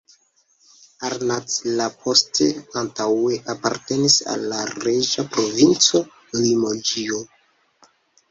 Arnac-la-Poste antaŭe apartenis al la reĝa provinco Limoĝio.